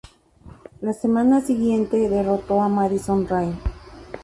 La semana siguiente derrotó a Madison Rayne.